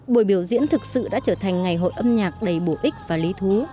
buổi biểu diễn thực sự đã trở thành ngày hội âm nhạc đầy bổ ích và lý thú